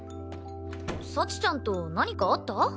幸ちゃんと何かあった？